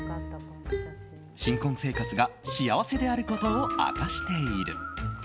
新婚生活が幸せであることを明かしている。